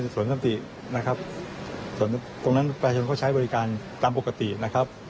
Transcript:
สวนสมตินะครับตรงนั้นแปลชนก็ใช้บริการตามปกตินะครับ